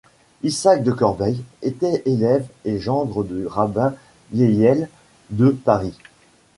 Isaac de Corbeil était élève et gendre du rabbin Yehiel de Paris.